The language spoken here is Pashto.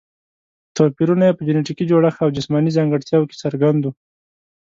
توپیرونه یې په جینټیکي جوړښت او جسماني ځانګړتیاوو کې څرګند وو.